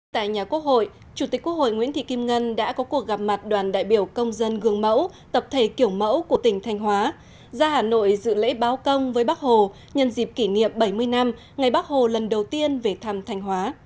tại nhà quốc hội chủ tịch quốc hội nguyễn thị kim ngân đã có cuộc gặp mặt đoàn đại biểu công dân gương mẫu tập thể kiểu mẫu của tỉnh thanh hóa ra hà nội dự lễ báo công với bắc hồ nhân dịp kỷ niệm bảy mươi năm ngày bắc hồ lần đầu tiên về thăm thanh hóa